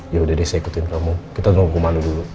yaudah deh saya ikutin kamu kita nunggu komando dulu